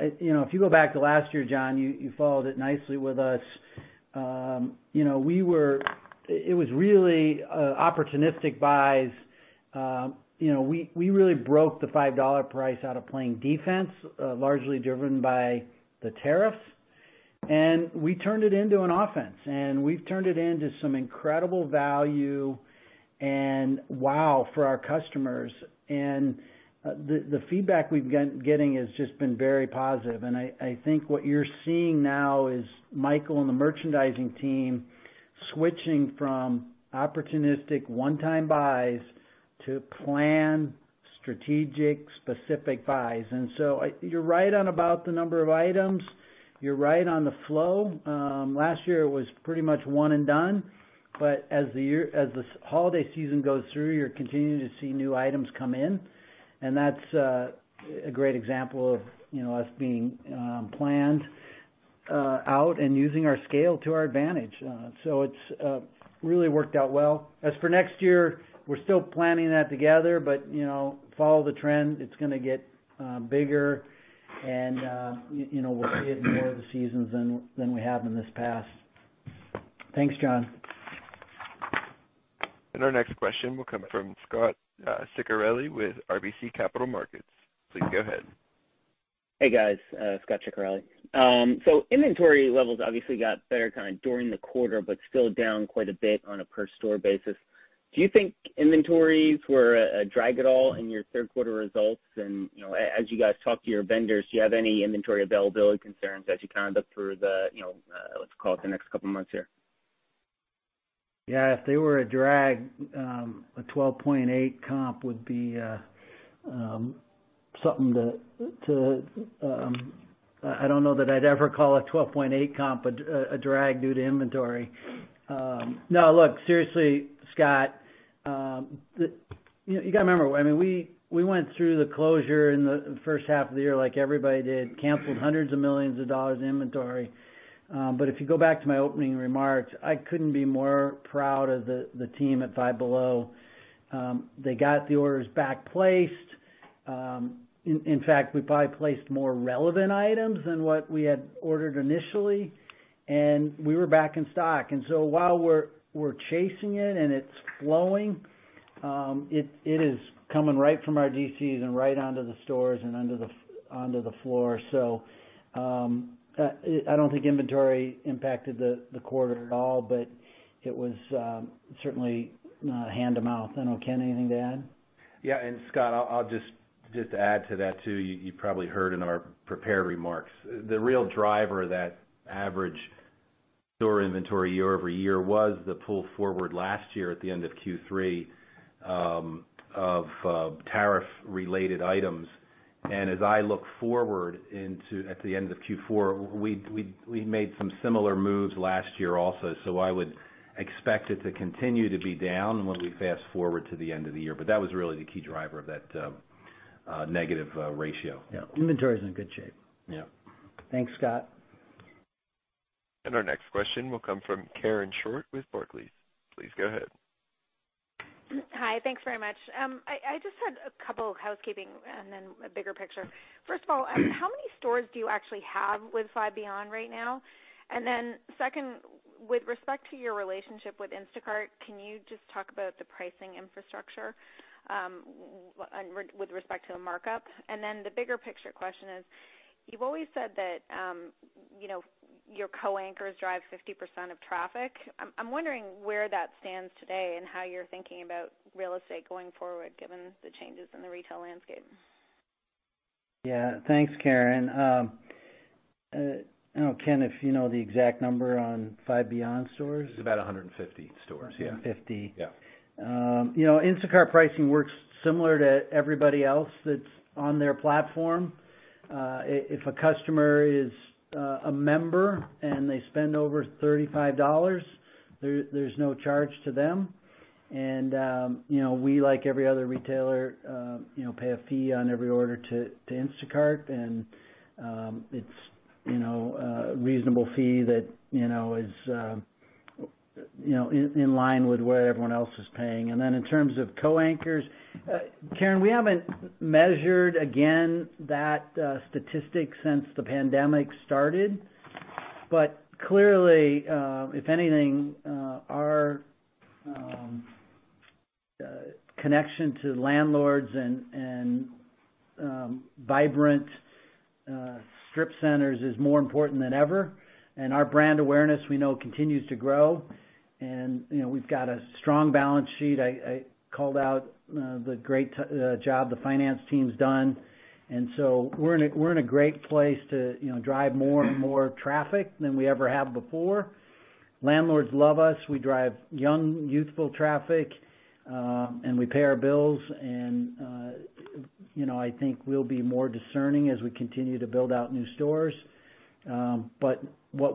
If you go back to last year, John, you followed it nicely with us. It was really opportunistic buys. We really broke the $5 price out of playing defense, largely driven by the tariffs. We turned it into an offense. We have turned it into some incredible value and wow for our customers. The feedback we have been getting has just been very positive. I think what you are seeing now is Michael and the merchandising team switching from opportunistic one-time buys to planned strategic specific buys. You are right on about the number of items. You are right on the flow. Last year, it was pretty much one and done. As the holiday season goes through, you are continuing to see new items come in. That is a great example of us being planned out and using our scale to our advantage. It has really worked out well. As for next year, we are still planning that together, but follow the trend. It is going to get bigger, and we will see it in more of the seasons than we have in this past. Thanks, John. Our next question will come from Scott Sicarelli with RBC Capital Markets. Please go ahead. Hey, guys. Scott Chickarelli. Inventory levels obviously got better kind of during the quarter, but still down quite a bit on a per-store basis. Do you think inventories were a drag at all in your third-quarter results? As you guys talk to your vendors, do you have any inventory availability concerns as you kind of look through the, let's call it the next couple of months here? Yeah. If they were a drag, a 12.8% comp would be something to—I do not know that I would ever call a 12.8% comp a drag due to inventory. No, look, seriously, Scott, you got to remember, I mean, we went through the closure in the first half of the year like everybody did, canceled hundreds of millions of dollars in inventory. If you go back to my opening remarks, I could not be more proud of the team at Five Below. They got the orders back placed. In fact, we probably placed more relevant items than what we had ordered initially, and we were back in stock. While we are chasing it and it is flowing, it is coming right from our DCs and right onto the stores and under the floor. I do not think inventory impacted the quarter at all, but it was certainly hand-to-mouth. I don't know, Ken, anything to add? Yeah. And Scott, I'll just add to that too. You probably heard in our prepared remarks, the real driver of that average store inventory year over-year was the pull forward last year at the end of Q3 of tariff-related items. As I look forward into at the end of Q4, we made some similar moves last year also. I would expect it to continue to be down when we fast forward to the end of the year. That was really the key driver of that negative ratio. Yeah. Inventory is in good shape. Yeah. Thanks, Scott. Our next question will come from Karen Short with Barclays. Please go ahead. Hi. Thanks very much. I just had a couple of housekeeping and then a bigger picture. First of all, how many stores do you actually have with Five Beyond right now? Second, with respect to your relationship with Instacart, can you just talk about the pricing infrastructure with respect to the markup? The bigger picture question is, you've always said that your co-anchors drive 50% of traffic. I'm wondering where that stands today and how you're thinking about real estate going forward, given the changes in the retail landscape. Yeah. Thanks, Karen. I don't know, Ken, if you know the exact number on Five Beyond stores. It's about 150 stores. 150. Yeah. Instacart pricing works similar to everybody else that is on their platform. If a customer is a member and they spend over $35, there is no charge to them. We, like every other retailer, pay a fee on every order to Instacart. It is a reasonable fee that is in line with what everyone else is paying. In terms of co-anchors, Karen, we have not measured, again, that statistic since the pandemic started. Clearly, if anything, our connection to landlords and vibrant strip centers is more important than ever. Our brand awareness, we know, continues to grow. We have got a strong balance sheet. I called out the great job the finance team has done. We are in a great place to drive more and more traffic than we ever have before. Landlords love us. We drive young, youthful traffic, and we pay our bills. I think we'll be more discerning as we continue to build out new stores. What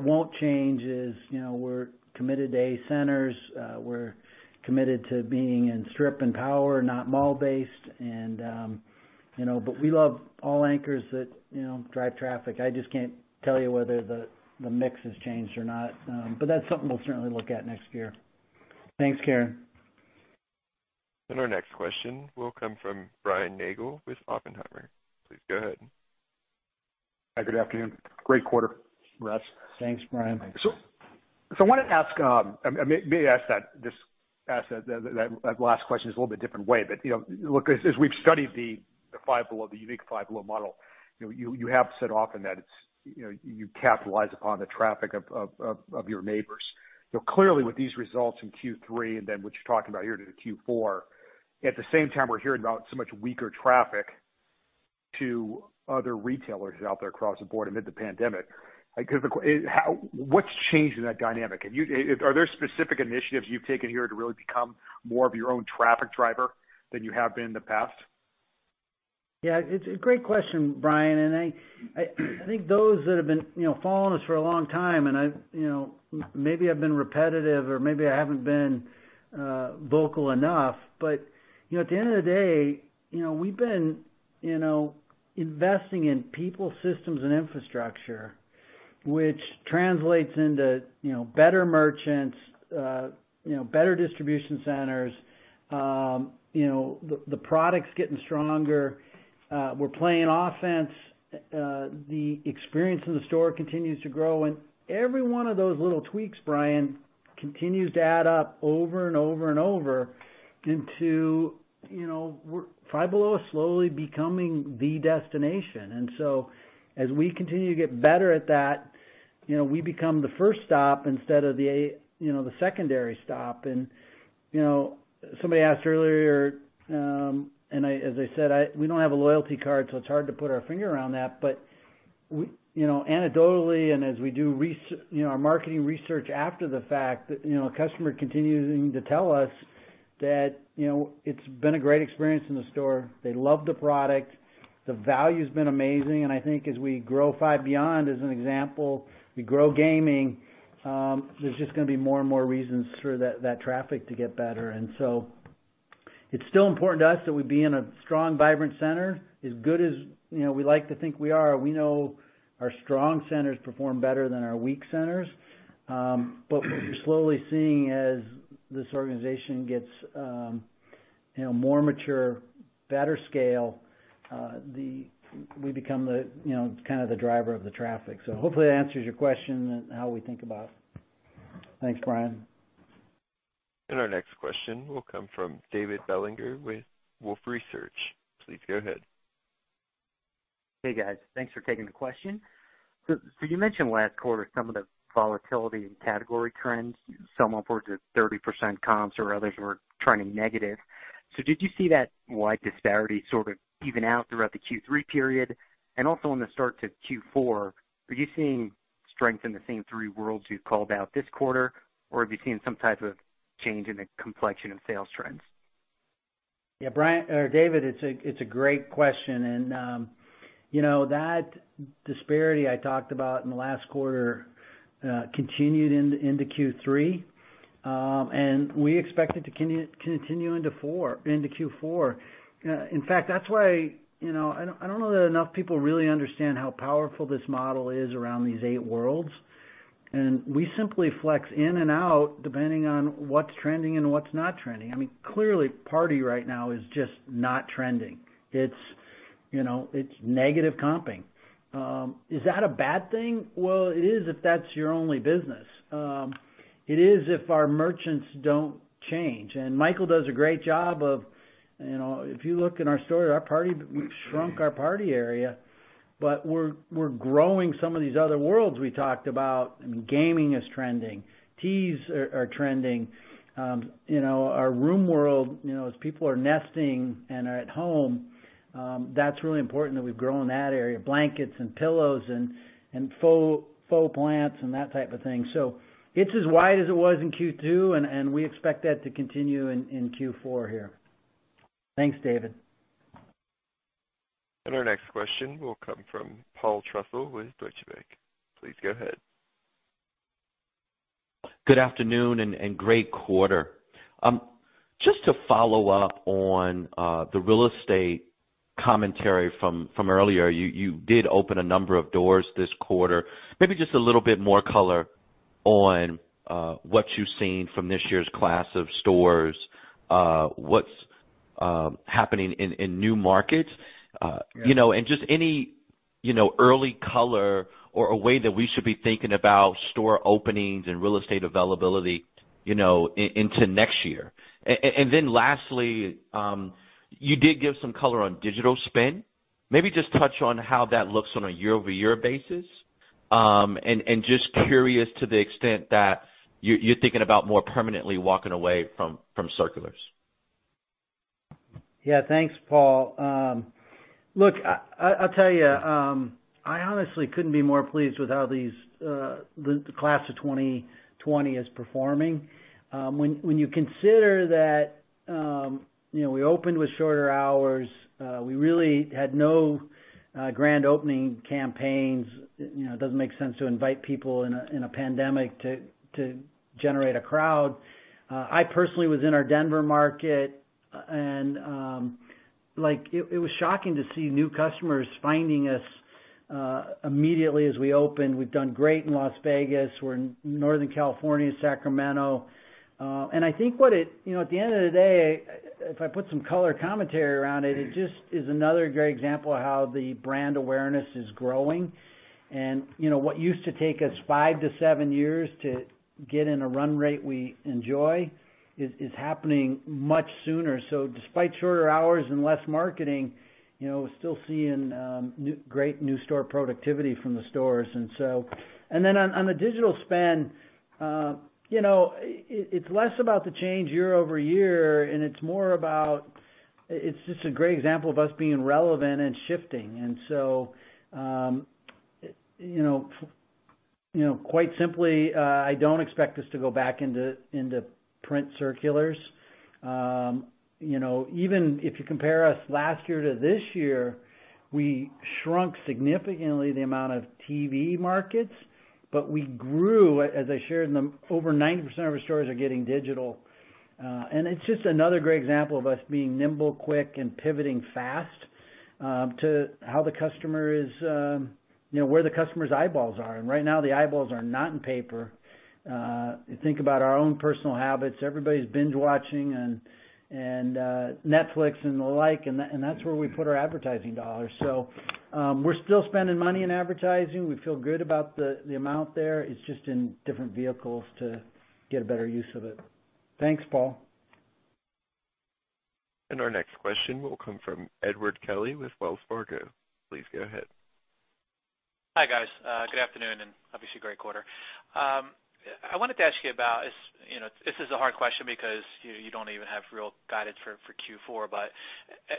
will not change is we're committed to A centers. We're committed to being in strip and power, not mall-based. We love all anchors that drive traffic. I just can't tell you whether the mix has changed or not. That is something we'll certainly look at next year. Thanks, Karen. Our next question will come from Brian Nagel with Oppenheimer. Please go ahead. Hi, good afternoon. Great quarter. Thanks, Brian. I want to ask—may I ask that last question a little bit different way? Look, as we've studied the Five Below, the unique Five Below model, you have said often that you capitalize upon the traffic of your neighbors. Clearly, with these results in Q3 and then what you're talking about here to Q4, at the same time, we're hearing about so much weaker traffic to other retailers out there across the board amid the pandemic. What's changed in that dynamic? Are there specific initiatives you've taken here to really become more of your own traffic driver than you have been in the past? Yeah. It's a great question, Brian. I think those that have been following us for a long time—and maybe I've been repetitive or maybe I haven't been vocal enough—but at the end of the day, we've been investing in people, systems, and infrastructure, which translates into better merchants, better distribution centers, the products getting stronger. We're playing offense. The experience in the store continues to grow. Every one of those little tweaks, Brian, continues to add up over and over and over into Five Below is slowly becoming the destination. As we continue to get better at that, we become the first stop instead of the secondary stop. Somebody asked earlier, and as I said, we don't have a loyalty card, so it's hard to put our finger around that. Anecdotally, and as we do our marketing research after the fact, a customer continuing to tell us that it's been a great experience in the store. They love the product. The value has been amazing. I think as we grow Five Beyond as an example, we grow gaming, there's just going to be more and more reasons for that traffic to get better. It is still important to us that we be in a strong, vibrant center, as good as we like to think we are. We know our strong centers perform better than our weak centers. What we're slowly seeing as this organization gets more mature, better scale, we become kind of the driver of the traffic. Hopefully, that answers your question and how we think about it. Thanks, Brian. Our next question will come from David Leonard Bellinger with Wolfe Research. Please go ahead. Hey, guys. Thanks for taking the question. You mentioned last quarter some of the volatility in category trends. Some upwards of 30% comps or others were trending negative. Did you see that wide disparity sort of even out throughout the Q3 period? Also, in the start to Q4, are you seeing strength in the same three worlds you called out this quarter, or have you seen some type of change in the complexion of sales trends? Yeah, Brian or David, it's a great question. That disparity I talked about in the last quarter continued into Q3. We expect it to continue into Q4. In fact, that's why I don't know that enough people really understand how powerful this model is around these eight worlds. We simply flex in and out depending on what's trending and what's not trending. I mean, clearly, party right now is just not trending. It's negative comping. Is that a bad thing? It is if that's your only business. It is if our merchants don't change. Michael does a great job of, if you look at our store, our party, we've shrunk our party area. We're growing some of these other worlds we talked about. I mean, gaming is trending. Tees are trending. Our room world, as people are nesting and are at home, that's really important that we've grown that area: blankets and pillows and faux plants and that type of thing. It is as wide as it was in Q2, and we expect that to continue in Q4 here. Thanks, David. Our next question will come from Paul Trussel with Deutsche Bank. Please go ahead. Good afternoon and great quarter. Just to follow up on the real estate commentary from earlier, you did open a number of doors this quarter. Maybe just a little bit more color on what you've seen from this year's class of stores, what's happening in new markets, and just any early color or a way that we should be thinking about store openings and real estate availability into next year. Lastly, you did give some color on digital spend. Maybe just touch on how that looks on a year-over-year basis. Just curious to the extent that you're thinking about more permanently walking away from circulars. Yeah. Thanks, Paul. Look, I'll tell you, I honestly couldn't be more pleased with how the class of 2020 is performing. When you consider that we opened with shorter hours, we really had no grand opening campaigns. It doesn't make sense to invite people in a pandemic to generate a crowd. I personally was in our Denver market, and it was shocking to see new customers finding us immediately as we opened. We've done great in Las Vegas. We're in Northern California, Sacramento. I think what it, at the end of the day, if I put some color commentary around it, it just is another great example of how the brand awareness is growing. What used to take us five to seven years to get in a run rate we enjoy is happening much sooner. Despite shorter hours and less marketing, we're still seeing great new store productivity from the stores. On the digital spend, it's less about the change year-over-year, and it's more about—it's just a great example of us being relevant and shifting. Quite simply, I don't expect us to go back into print circulars. Even if you compare us last year to this year, we shrunk significantly the amount of TV markets, but we grew, as I shared, over 90% of our stores are getting digital. It's just another great example of us being nimble, quick, and pivoting fast to how the customer is—where the customer's eyeballs are. Right now, the eyeballs are not in paper. Think about our own personal habits. Everybody's binge-watching and Netflix and the like, and that's where we put our advertising dollars. We're still spending money in advertising. We feel good about the amount there. It's just in different vehicles to get a better use of it. Thanks, Paul. Our next question will come from Edward Kelly with Wells Fargo. Please go ahead. Hi, guys. Good afternoon and obviously great quarter. I wanted to ask you about—this is a hard question because you do not even have real guidance for Q4, but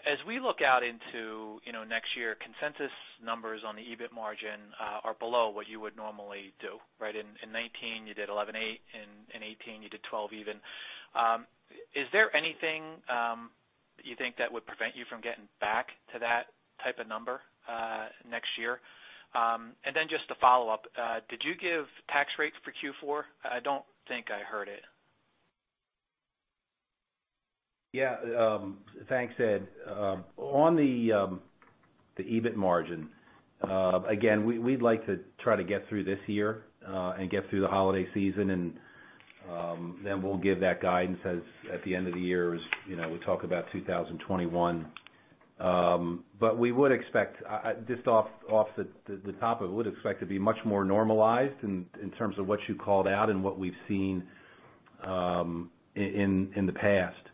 as we look out into next year, consensus numbers on the EBIT margin are below what you would normally do, right? In 2019, you did 11.8%. In 2018, you did 12% even. Is there anything you think that would prevent you from getting back to that type of number next year? Just to follow up, did you give tax rate for Q4? I do not think I heard it. Yeah. Thanks, Ed. On the EBIT margin, again, we'd like to try to get through this year and get through the holiday season, and then we'll give that guidance at the end of the year as we talk about 2021. We would expect, just off the top of it, we would expect to be much more normalized in terms of what you called out and what we've seen in the past.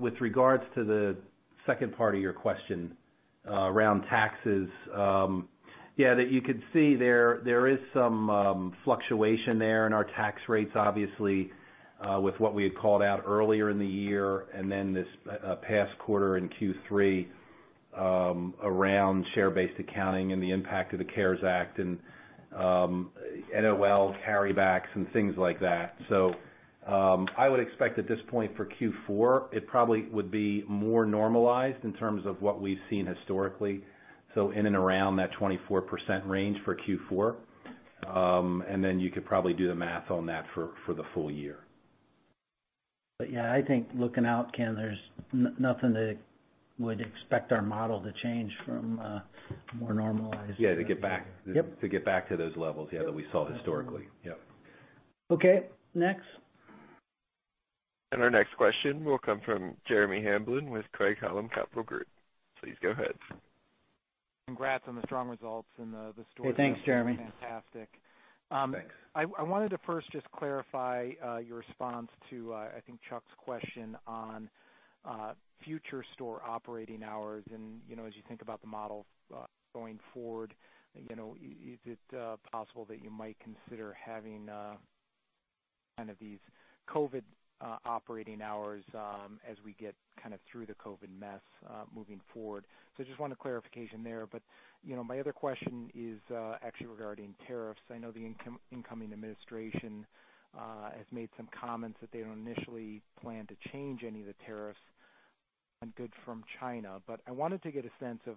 With regards to the second part of your question around taxes, yeah, you could see there is some fluctuation there in our tax rates, obviously, with what we had called out earlier in the year and then this past quarter in Q3 around share-based accounting and the impact of the CARES Act and NOL carrybacks and things like that. I would expect at this point for Q4, it probably would be more normalized in terms of what we've seen historically, so in and around that 24% range for Q4. And then you could probably do the math on that for the full year. Yeah, I think looking out, Ken, there's nothing that would expect our model to change from more normalized. Yeah, to get back to those levels, yeah, that we saw historically. Yep. Okay. Next. Our next question will come from Jeremy Scott Hamblin with Craig-Hallum Capital Group. Please go ahead. Congrats on the strong results in the store. Hey, thanks, Jeremy. Fantastic. Thanks. I wanted to first just clarify your response to, I think, Chuck's question on future store operating hours. As you think about the model going forward, is it possible that you might consider having kind of these COVID operating hours as we get kind of through the COVID mess moving forward? I just wanted clarification there. My other question is actually regarding tariffs. I know the incoming administration has made some comments that they do not initially plan to change any of the tariffs on goods from China. I wanted to get a sense of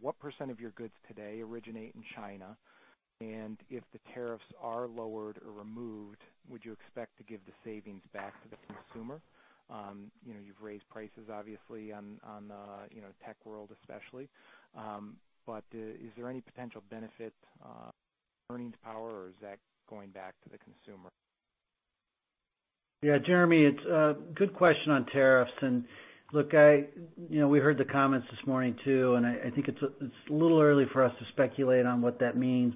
what % of your goods today originate in China? If the tariffs are lowered or removed, would you expect to give the savings back to the consumer? You have raised prices, obviously, on the tech world, especially. Is there any potential benefit earnings power, or is that going back to the consumer? Yeah, Jeremy, it's a good question on tariffs. Look, we heard the comments this morning too, and I think it's a little early for us to speculate on what that means.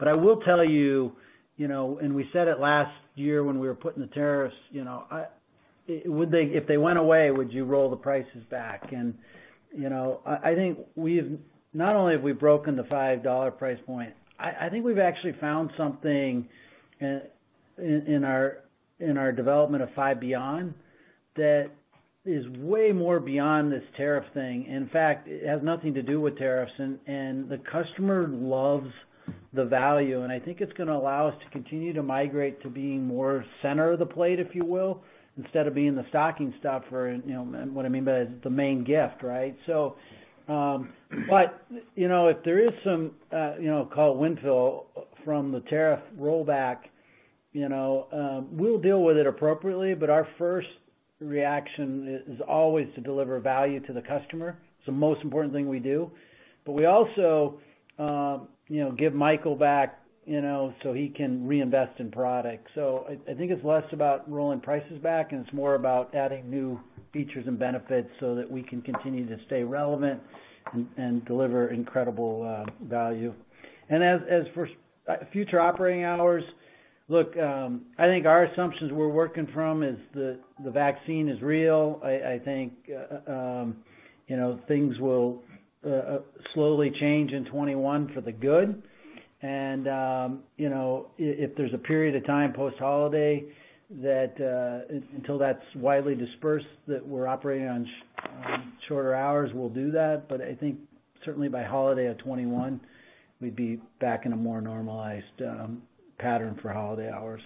I will tell you, and we said it last year when we were putting the tariffs, if they went away, would you roll the prices back? I think not only have we broken the $5 price point, I think we've actually found something in our development of Five Beyond that is way more beyond this tariff thing. In fact, it has nothing to do with tariffs. The customer loves the value. I think it's going to allow us to continue to migrate to being more center of the plate, if you will, instead of being the stocking stuffer or what I mean by the main gift, right? If there is some, call it windfall from the tariff rollback, we'll deal with it appropriately. Our first reaction is always to deliver value to the customer. It's the most important thing we do. We also give Michael back so he can reinvest in product. I think it's less about rolling prices back, and it's more about adding new features and benefits so that we can continue to stay relevant and deliver incredible value. As for future operating hours, look, I think our assumptions we're working from is the vaccine is real. I think things will slowly change in 2021 for the good. If there's a period of time post-holiday that until that's widely dispersed that we're operating on shorter hours, we'll do that. I think certainly by holiday of 2021, we'd be back in a more normalized pattern for holiday hours.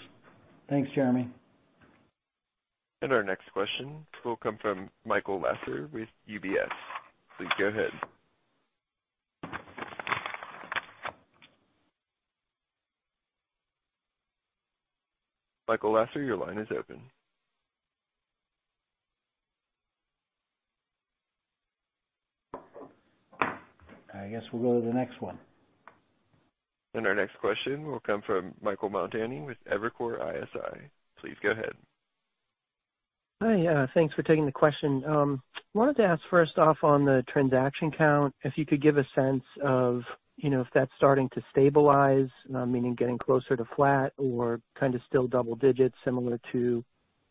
Thanks, Jeremy. Our next question will come from Michael Lasser with UBS. Please go ahead. Michael Lasser, your line is open. I guess we'll go to the next one. Our next question will come from Michael Montani with Evercore ISI. Please go ahead. Hi. Thanks for taking the question. I wanted to ask first off on the transaction count, if you could give a sense of if that's starting to stabilize, meaning getting closer to flat or kind of still double digits similar to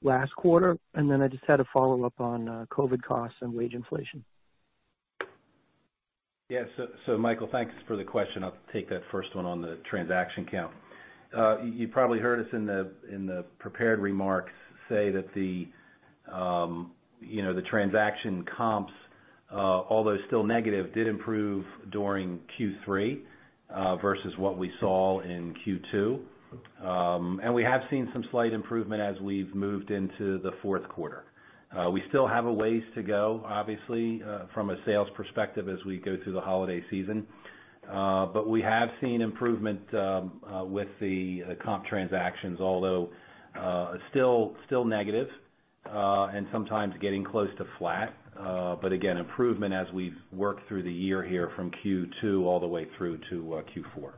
last quarter. I just had a follow-up on COVID costs and wage inflation. Yeah. So Michael, thanks for the question. I'll take that first one on the transaction count. You probably heard us in the prepared remarks say that the transaction comps, although still negative, did improve during Q3 versus what we saw in Q2. We have seen some slight improvement as we've moved into the fourth quarter. We still have a ways to go, obviously, from a sales perspective as we go through the holiday season. We have seen improvement with the comp transactions, although still negative and sometimes getting close to flat. Again, improvement as we've worked through the year here from Q2 all the way through to Q4.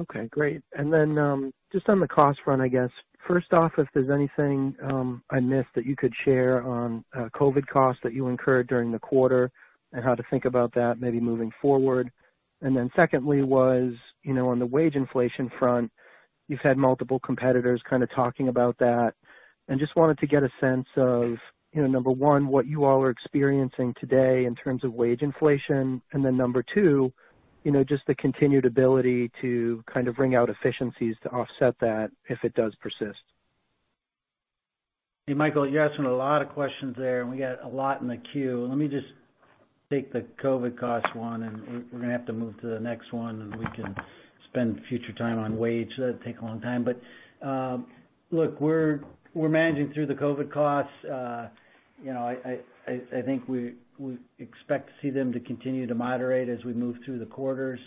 Okay. Great. And then just on the cost front, I guess, first off, if there's anything I missed that you could share on COVID costs that you incurred during the quarter and how to think about that maybe moving forward. Then secondly was on the wage inflation front, you've had multiple competitors kind of talking about that. Just wanted to get a sense of, number one, what you all are experiencing today in terms of wage inflation. Number two, just the continued ability to kind of bring out efficiencies to offset that if it does persist. Hey, Michael, you're asking a lot of questions there, and we got a lot in the queue. Let me just take the COVID cost one, and we're going to have to move to the next one, and we can spend future time on wage. That'd take a long time. Look, we're managing through the COVID costs. I think we expect to see them continue to moderate as we move through the quarters.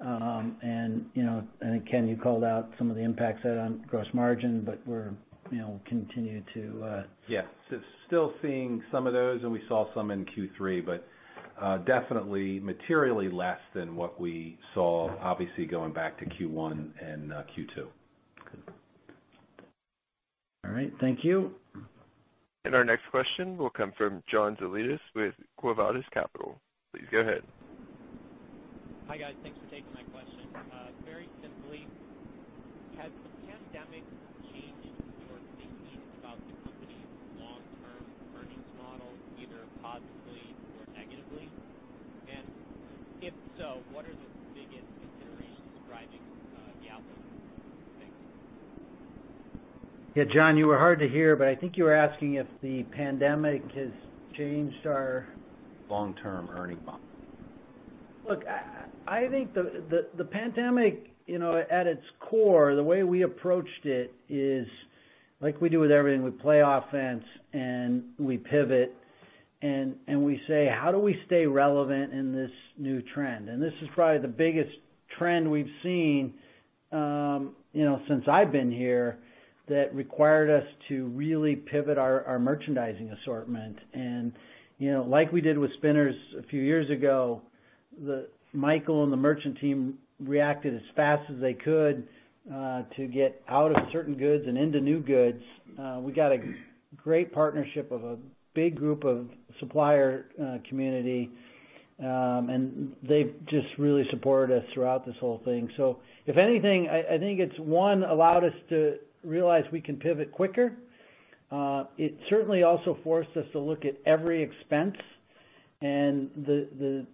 I think, Ken, you called out some of the impacts on gross margin, but we'll continue to. Yeah. Still seeing some of those, and we saw some in Q3, but definitely materially less than what we saw, obviously, going back to Q1 and Q2. All right. Thank you. Our next question will come from John Zelidis with Guevaras Capital. Please go ahead. Hi, guys. Thanks for taking my question. Very simply, has the pandemic changed your thinking about the company's long-term earnings model, either positively or negatively? If so, what are the biggest considerations driving the outlook? Thanks. Yeah, John, you were hard to hear, but I think you were asking if the pandemic has changed our. Long-term earning model. Look, I think the pandemic, at its core, the way we approached it is like we do with everything. We play offense, and we pivot, and we say, "How do we stay relevant in this new trend?" This is probably the biggest trend we've seen since I've been here that required us to really pivot our merchandising assortment. Like we did with Spinners a few years ago, Michael and the merchant team reacted as fast as they could to get out of certain goods and into new goods. We got a great partnership of a big group of supplier community, and they've just really supported us throughout this whole thing. If anything, I think it's, one, allowed us to realize we can pivot quicker. It certainly also forced us to look at every expense. The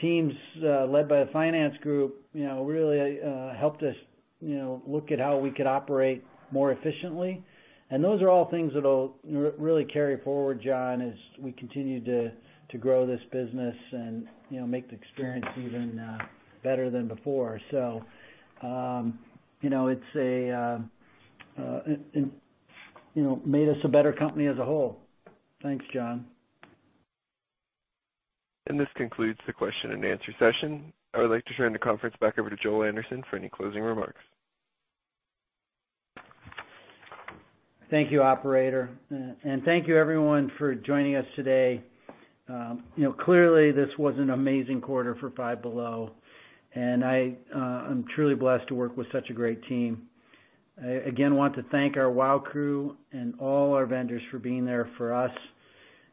teams led by the finance group really helped us look at how we could operate more efficiently. Those are all things that'll really carry forward, John, as we continue to grow this business and make the experience even better than before. It has made us a better company as a whole. Thanks, John. This concludes the question and answer session. I would like to turn the conference back over to Joel Anderson for any closing remarks. Thank you, operator. Thank you, everyone, for joining us today. Clearly, this was an amazing quarter for Five Below, and I'm truly blessed to work with such a great team. Again, want to thank our Wow Crew and all our vendors for being there for us.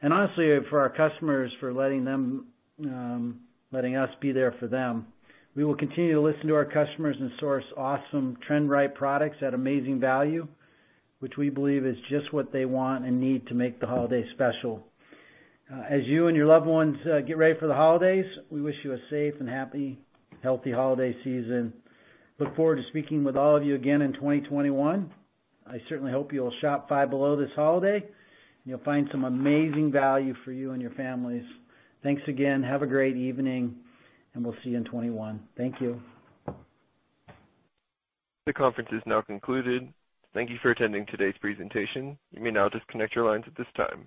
Honestly, for our customers, for letting us be there for them. We will continue to listen to our customers and source awesome trend-right products at amazing value, which we believe is just what they want and need to make the holiday special. As you and your loved ones get ready for the holidays, we wish you a safe and happy, healthy holiday season. Look forward to speaking with all of you again in 2021. I certainly hope you'll shop Five Below this holiday, and you'll find some amazing value for you and your families. Thanks again. Have a great evening, and we'll see you in 2021. Thank you. The conference is now concluded. Thank you for attending today's presentation. You may now disconnect your lines at this time.